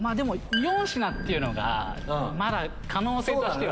４品っていうのがまだ可能性としては。